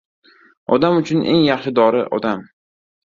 • Odam uchun eng yaxshi dori ― odam.